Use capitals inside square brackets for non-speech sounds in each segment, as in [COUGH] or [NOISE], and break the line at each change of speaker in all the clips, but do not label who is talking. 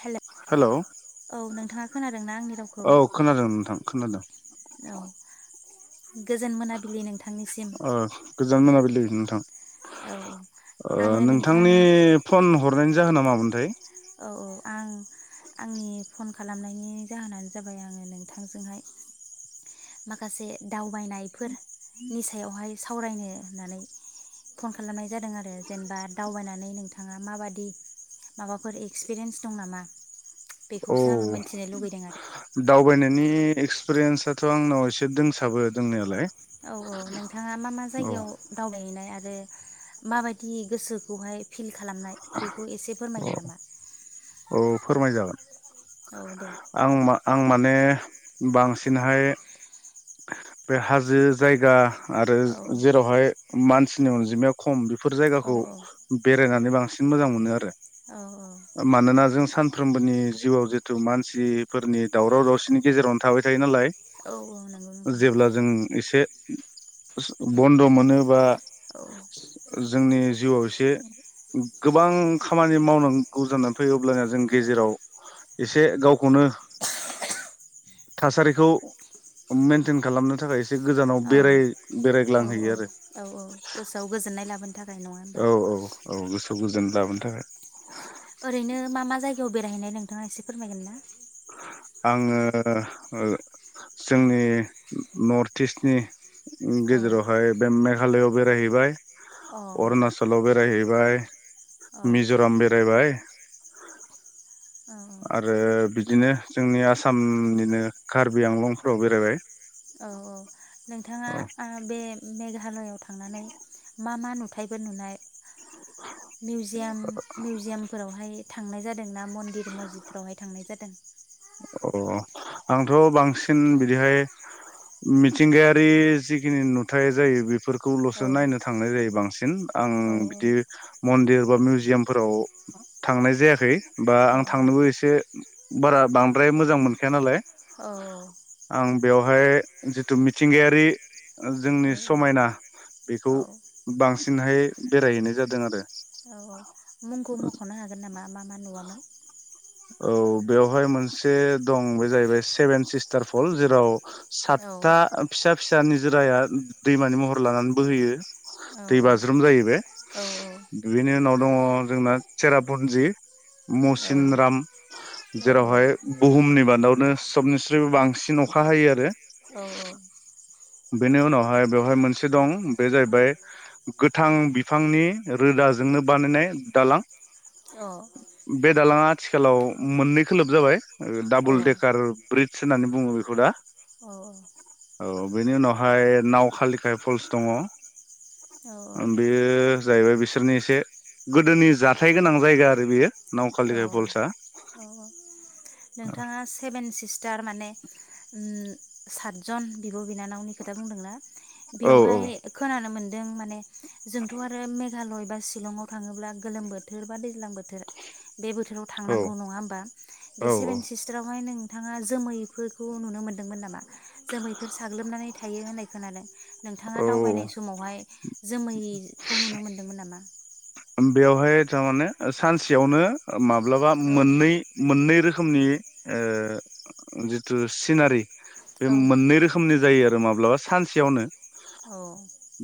हेले
हेलौ
औ नोंथाङा खोनादोंन आंनि रावखौ
औ खोनादों नोंथां खोनादों
औ। गोजोन मोनाबिलि नोंथांनिसिम।
ओ गोजान मोनाबिलि नोंथां।
औ
ओ
आङो नोंथां
नोंथांनि फन हरनायनि जाहोना मामोनथाय?
औ औ आं आंनि फन खालामनायनि जाहोनानो जाबाय आङो नोंथांजोंहाय माखासे दावबायनायफोर नि सायावहाय सावरायनो होननानै फन खालामनाय जादों आरो जेनेबा दावबायनानै नोंथाङा माबादि माबाफोर एक्सपिरियेन्स दं नामा।
औ
बेखौसो आङो मोनथिनो लुगैदों आरो
दावबायनाय नि एक्सपिरियेन्साथ' आंनाव एसे दोंसाबो दोंनायालाय।
औ औ नोंथाङा मा मा
औ
जायगायाव दावबायहैनाय आरो माबायदि गोसोखौहाय फिल खालामनाय बेखौ एसे
औ
फोरमायगोन नामा।
औ फोरमाय जागोन।
औ दे
आं मा आं मा माने बांसिनहाय बे हाजो जायगा आरो
औ
जेरावहाय मानसिनि अनजिमाया खम बेफोर
औ
जायगाखौ बेरायनानै बांसिन मोजां मोनो आरो।
औ औ
मानोना जों सानफ्रोमबोनि जिउआव जिथु मान सिफोरनि दावराव दावसिनि गेजेरावनो थाबाय थायो नालाय
औ औ नंगौ नोंथां
जेब्ला जों एसे बन्द' मोनोबा
औ
जोंनि जिउआव एसे गोबां खामानि मावनांगौ जानानै फैयो अब्लानिया जों
औ
गेजेराव एसे गाव खौनो थासारिखौ मेनटेन खालामनो थाखाय एसे गोजानाव
औ
बेराय
औ औ औ
बेरायग्लांहैयो आरो
औ गोसोआव गोजोननाय लाबोन
औ औ औ खौ गोजोन लाबोनो थाखाय
ओरैनो मा मा जायगायाव बेरायहैनाय नोंथाङा एसे फोरमायगोन ना?
आङो ओ जोंनि नर्थ इस्टनि
औ
गेजेरावहाय बे मेघालयाव बेरायहैबाय
औ
अरुणासलाव बेरायहै बाय
औ
मिजराम बेरायबाय
औ
आरो बिदिनो जोंनि आसामनिनो कार्बि आंलंफ्राव बेरायबाय
औ औ नोंथाङा
औ
आ बे मेघालआव थांनानै मा मा नुथायबो नुनाय मिउजियाम मिउजियामफोरावहाय थांनाय जादों ना मन्दिर मस्जिदफ्रावहाय थांनाय जादों?
औ आंथ बांसिन बिदिहाय मिथिंगायारि जिखिनि नुथाय जायो बे
औ
फोरफोरखौलसो नायनो थांनाय जायो बांसिन आं
औ
बिदि मन्दिर बा मिउजियामफोराव थांनाय जायाखै बा
औ अ
आं थांनोबो एसे बारा बांद्राय मोजां मोनखाया नालाय
औ औ
आं बेवहाय जिथु मिथिंगायारि जोंनि समायना बेखौ
औ
बांसिन हाय बेरायहैनाय जादों आरो
औ औ मुंखौ मखनो हागोन नामा मा मा नुवामोन
औ बेवहाय मोनसे दं बे जाहैबाय सेभेन सिस्टार फल जेराव
औ
सातथा फिसा फिसा फिसा निजोराया दैमानि महर लानानै बोहैयो
औ
दै बाज्रुम जायो बे
औ
बिनि उनाव दङ जोंना चेरा पुन्जि
औ अ
मसिनरा
अ औ
जेरावहाय बुहुमनि बा न'आवनो सबनिसायबो बांसिन अखा हायो आरो
औ
बेनि उनावहाय बेवहाय मोनसे दं बे जाहैबाय गोथां बिफांनि रोदाजोंनो बानायनाय दालां बे दालाङा आथिखालाव मोननै खोलोब जाबाय डाबल देकार ब्रिज होननानै बुङो बेखौ दा
औ औ
औ बेनि उनावहाय नाव खालिखाय फल्स दङ ओ बेयो जाहैबाय बिसोरनि एसे गोदोनि जाथाय गोनां जायगा आरो बेयो
औ
नावखालिखाय फल्सआ
औ औ नोंथाङा सेभेन सिस्टार माने सातजन बिनानावनि खोथा बुंदोंना
औ औ
बेवहाय खोनानो मोनदों जों माने जोंथ' आरो मेघालय बा शिलंआव थाङोब्ला गोलोम बोथोर बा दैज्लां बोथोर बे बोथोराव
औ
थांनांगौ नङा होमबा बे
औ
सेभेन सिस्टारावहाय नों थाङा जोमैफोरखौ नुनो मोन्दोंमोन नामा? जोमैफोर साग्लोबनानै थायो होननाय खोनादों नोंथाङा
औ
दावबायनाय समावहाय जोमैखौ नुनो मोनदोंमोन नामा?
बेवहाय तारमाने सानसेयावनो माब्लाबा
औ
मोननै मोननै रो खोमनि ओ जिथु सिनारि बे
औ
मोननै रोखोमनि जायो माब्लाबा सानसेयावनो
औ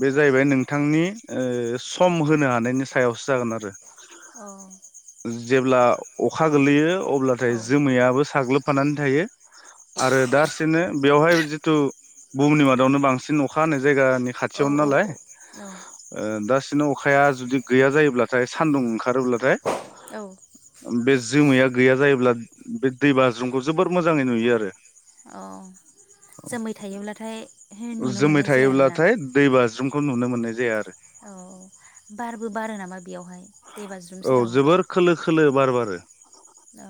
बे जाहैबाय नों थांनि ओ सम होनो हानायनि सायावसो जागोन आरो
अ
जेब्ला अखा गोलैयो अब्लाथाय
औ
जोमैयाबो साग्लोब फानानै थायो आरो दारसेनो बेवहाय जिथु बुहुमनि मादावनो बांसिन अखा हानाय जायगानि खाथियावनो
औ
नालाय
औ
ओ दा नो अखाया जुदि गैया जायोब्लाथाय सान्दुं ओंखारोब्लाथाय
औ
बेस जोमैया गैया जायोब्ला बे दै बाज्रुमखौ जोबोर मोजाङै नुयो आरो
अ जोमै थायोब्लाथाय नुनो
जोमै
मोननाय जाया आरोना
थायोब्लाथाय दैबाज्रुम खौ नुनो मोननाय जाया आरो
औ बारबो बारो नामा बेयावहाय दै बाज्रुम
औ
सेरावहाय
जोबोर खोलो खोलो बार बार रो
औ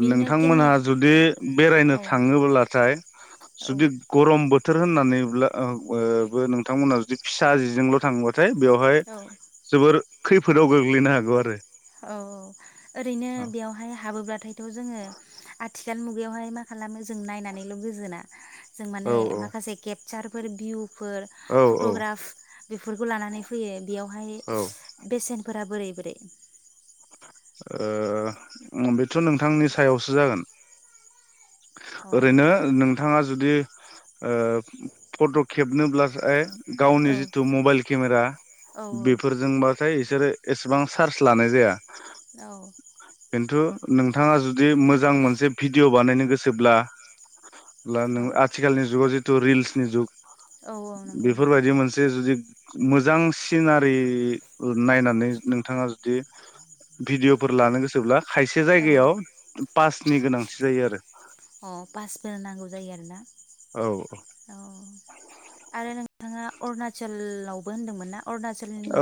बिदिनो गेमे
नोंथांमोनहा जुदि बेरायनो
औ
थाङोब्लाथाय
औ
जुदि गरम बो थोर होननानैब्ला ओ बो ओ ोंथांमोनहा जुदि फिसा जिजोंल' थाङो [UNINTELLIGIBLE] बाथाय बेवहाय
औ
जोबोर खैफोदाव गोग्लैनो हा गौ आरो
औ औ ओरैनो
औ
बेवहाय हाबोब्लाथायथ' जोङो आथि दानि मुगायावहाय मा खालामो जों नायनानैल' गोजोना। जों
औ
माने माखासे केब जारफोर बिउ फोर
औ औ
फट'ग्राफ बेफोरखौ लानानै फैयो बेयावहाय
औ
बेसेन फोर बोरै बोरै
ओ बेथ' नोंथांनि सायावसो जागोन
अ
ओरैनो नों नोंथाङा जुदि ओ फट' खेबनोब्लाथाय गावनि
औ
जितु मबाइल केमेरा
औ
बेफोरजोंबथाय बिसोरो एसेबां चार्ज लानाय जाया।
औ।
खिन्थु नोंथाङा जुदि मोजां मोनसे भिडिअ' बानायनो गोसोब्ला। नों
औ
आथिखालनि जुगाव जे ' रिल्सनि जुग-
औ औ नंगौ नोंथां
बेफोरबायदि मोनसे जुदि मोजां सिनारि नायनानै नोंथाङा जुदि भिडिअफोर लानो गोसोब्ला। खायसे
औ
जायगायाव पासनि गोनांथि जायो आरो।
अ पासफोर नांगौ जायो आरोना?
औ औ।
औ आरो नोंथाङा अरुणचलावबो होनदोंमोन ना?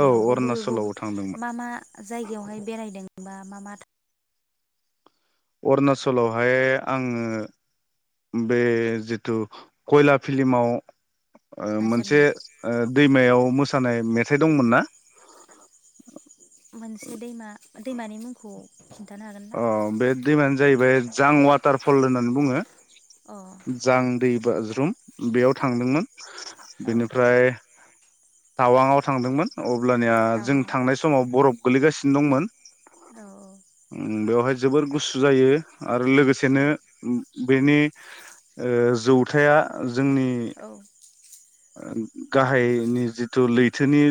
औ
बबे
अरुणाचलाव
बबे
थांदोंमोन
मा मा जायगायावहाय बेरायदों? बा मा मा थ।
अरुणाचलावहाय आङो बे जिथु कयला फिल्माव। मोनसे
अरुणाचलनि
दैमायाव मोसानाय मेथाइ दंमोन ना?
मोनसे दैमा। दैमानि मुंखौ। खिन्थानो हागोन ना
अ बे दैमानो जाहैबाय जां वाटारफल होननानै बुङो।
अ
जां दै रुम बेयाव थांदोंमोन।
औ
बेनिफ्राय टावांआव थांदोंमोन। अब्लानिया जों
टावाङाव
थांनाय समाव बरफ गोलैगासिनो दंमोन।
औ।
बेवहाय जोबोर गुसु जायो। आरो
औ
लोगोसेनो बेनि ओ जौथाया जोंनि
औ
गाहायनि जिथु लैथोनि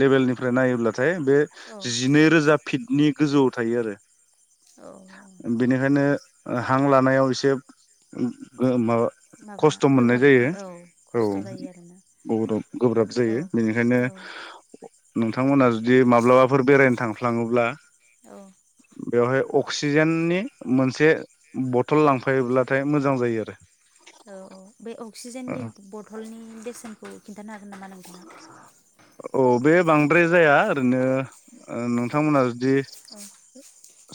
लेबेलनिफ्राय नायोब्ला नाथाय बे
औ
जिनै रोजा फिटनि गोजौ। थायो आरो।
औ
बेनिखायनो हां लानायाव एसे ओ माबा
माबा
खस्थ' मोननाय
गोब्राब
जायो।
औ
औ
खस्थ' जायो आरोना
गोब्राब
औ
जायो बेनिखायनो
औ
नोंथांमोना जुदि माब्लाबाफोर बेरायनो थांफ्लाङोब्ला
औ।
बेवहाय अक्सिजेननि मोनसे बथल लांफायोब्लाथाय मोजां जायो आरो।
औ औ बे अक्सिजेननि बथलनि बेसेनखौ खिन्थानो हागोन नामा?
औ बे
[UNINTELLIGIBLE]
बांद्राय जाया ओरैनो ओ नोंथांमोना जुदि
औ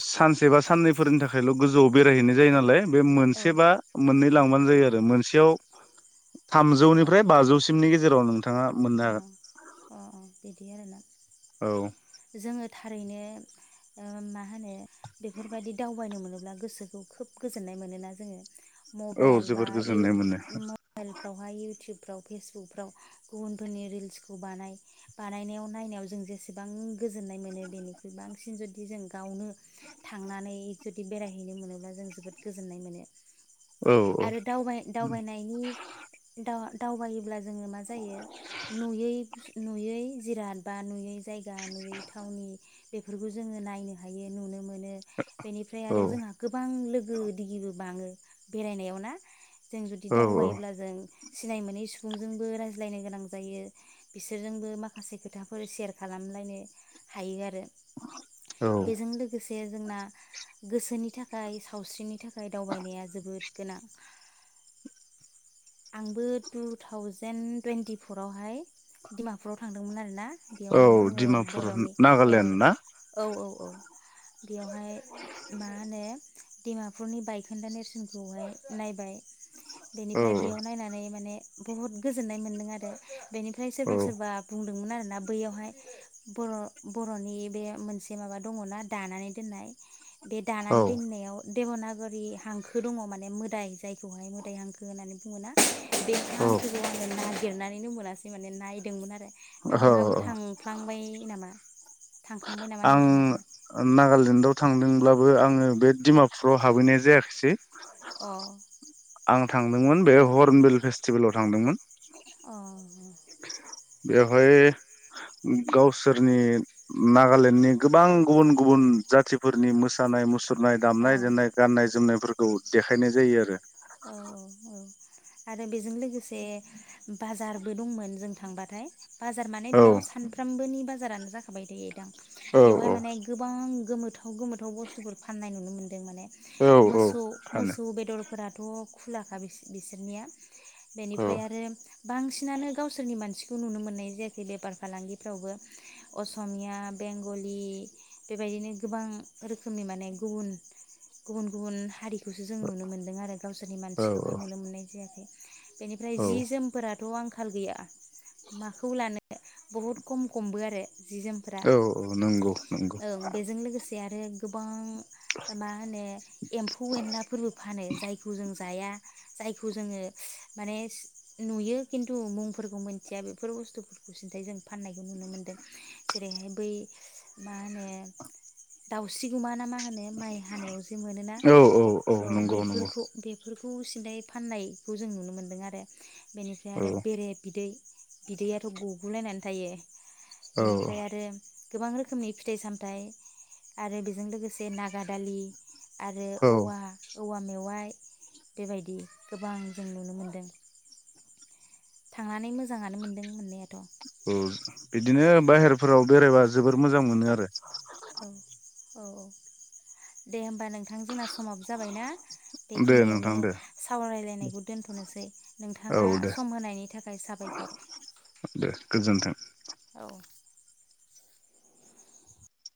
[INAUDIBLE] सानसे बा साननैफोरनि थाखायल' गोजौआव बेरायहैनाय जायो नालाय बे
औ
मोनसे बा मोननै लांबानो जायो आरो मोनसेयाव
औ अ
थामजौनिफ्राय बाजौसिमनि गेज जेराव नोनथां। नोथाङा
अ अ बिदि आरो ना?
हागोन
जोङो थारै ए ओ मा होनो बेफोरबायदि दावबायनो मोनोब्ला गोसोखौ खोब गोजोननाय मोनोना जोङो?
औ औ
मबेइल बा
जोबोर गोजोननाय
इउटु
मोनो
मबाइलफ्रावहाय इउटुब फ्राव फेसबुकफ्राव गुबन फोरनि रिल्सखौ बानाय बानायनायाव नायनायाव जों जेसेबां गोजोननाय मोनो बेनिख्रुइ बांसिन जुदि जों गावनो थांनानै जुदि बेरायहैनो मोनोब्ला जों जोबोद गोजोननाय मोनो।
औ
आरो दावबा-यदावबायनायनि दावा दावबायोब्ला जोङो मा जायो नुयै नुयै जिराद बा नुयै जायगा नुयै थावनि बेफोरखौ जोङो नायनो हायो नुनो मोन मोनो बेनिफ्राय
औ
आरो जोंहा गोबां लोगो दिगिबो बाङो। बेरायनायाव ना? जों जुदि
औ औ
दावबायोब्ला जों सिनाय मोनै सुबुंजोंबो रायज्लायनो गोनां जायो बिसोरजोंबो माखासे खोथाफोर सेयार खालामलायनो हायो आरो।
औ
बेजों लोगोसे जोंना गोसोनि थाखाय सावस्रिनि थाख खाय दावबायनाया जोबोद गोनां। आंबो टु थावजेेन टुवन्टिफरावहाय डिमापुराव थांदोंमोन आरो ना। बेवहाय
औ
जोङो
डिमापुर
बर'नि औ
नागालेण्ड ना
औ औ। औ बेयावहाय मा होनो डिमापुरनि बायखोन्दा नेरसोनखौहाय नायबाय बेनि
औ
ओमफ्राय बेयाव नायनानै माने बहुत गोजोननाय मोन्दों आरो बेनिफ्राय सोरबा
औ
सोरबा बुं दोंमोन आरोना बैयावहाय बर' बर'नि बे मोनसे माबा दङना दानानै दोननाय बे
औ
दानानै दोननायाव देबनागरि हांखो दङ माने मोदाय जायखौहाय मोदाय हांखो होननानै बुङोना बे
औ
हांखोखौ आङो ना लिरनानैनो मोनासै माने नायदोंमोन आरो
औ
नोंथाङाबो थांफ्लांबाय नामा थांखांबाय नामा
आं
नोंथाङाबो
नागालेण्डाव थांदोंब्ला बो आङो बे डिमापुराव हाबहैनाय जायाखिसै
अ
आं थांदोंमोन बे हर्नबिल फेस्टिभेलाव थांदोंमोन
अ उम
बेवहाय गावसोरनि नागालेण्डनि गोबां गुबुन गुबुन जाथिफोरनि मोसानाय मुसुर सुरनाय दामनाय
औ
देनाय गाननाय जोमनाय फोरखौ देखायनाय जायो आरो
औ औ औ आरो बेजों लोगोसे बाजारबो दंमोन जों थांबाथाय बाजार माने
आरो
बेयाव सानफ्रामबोनि बाजा जारानो जाखाबाय थायो दां
औ
बेवहाय माने गोबां गोमोथाव गोमोथाव बुस्थुफोर फाननाय नुनो मोन्दों माने
औ औ
मोसौ
फानो
मोसौ बेदर फोराथ खुलाखा बि बिसोरनिया
औ
बेनिफ्राय आरो बांसिनानो गावसोरनि मानसि खौ नुनो मोननाय जायाखै बेफार फालांगिफ्रावबो असमिया बेंगलि बेबायदिनो गोबां रोखोमनि माने गुबुन गुबुन गुबुन हारि खौसो जों नुनो मोन दों आरो गावसोरनि
औ
मानसिखौहाय नुनो मोननाय जायाखै बेनिफ्राय
औ
जि जोमफोरा थ' आंखाल गैया माखौ लानो बहुद खम खमबो आरो जि जोमफोरा
औ औ नंगौ। नंगौ
ओं आरो गोबां मा होनो? एम्फौ एनलाफोरबो फानो। जायखौ जों जाया जायखौ जोङो माने नुयो खिन्थु मुंफोरखौ मोनथिया बेफोर बुस्थुफोरखौ सिन्थाय जों फाननायखौ नुनो मोनदों। जेरैहाय बै मा होनो दाउस्रिगुमा ना मा नो माइ हानायाव जे मोनोना
औ
औ
नंगौ नंगौ
बेफोरखौ बे बेफोरखौ सिन्थाय फाननायखौ जों नुनो मोनदों आरो बेनिफ्राय
औ
आरो बेरे बिदै बिदैयाथ' गगुलायनानै थायो।
औ
बेनिफ्राय आरो गोबां रो खोमनि फिथाइ सामथाइ आरो बेजों लोगोसे नागा दालि आरो
औ औ
औवा औवा मेवाइ बेबायदि गोबां जों नुनो मोनदों। थांनानै मोजाङानो मोनदों मोननाया
औ बिदिनो बाहेरफोराव बेरायबा जोबोर मोजां मोनो आरो
औ औ दे होमबा नों थां जोंना समाबो जाबायना
दे
बेखिनियावनो
नोंथां दे
सावरायलायनायखौ दोन्थनोसै।
औ
नोंथाङा
दे
सम होनायनि थाखाय साबायखर।
दे गोजोन्थों।
औ